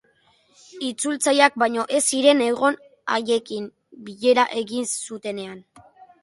Itzultzaileak baino ez ziren egon haiekin, bilera egin zutenean.